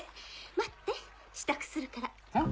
待って支度するから。